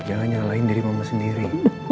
jangan nyalahin diri mama sendiri